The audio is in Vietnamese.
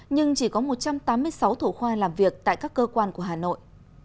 nhưng chỉ có một trăm tám mươi sáu thủ khoa làm việc tại các cơ quan của hà nội